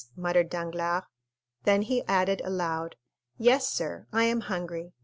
muttered Danglars. Then he added aloud, "Yes, sir, I am hungry—very hungry."